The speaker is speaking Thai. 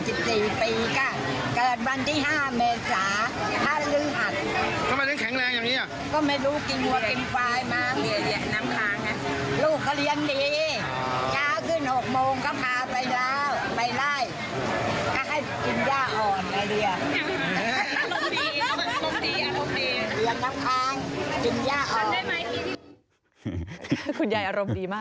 คุณยายอารมณ์ดีมาก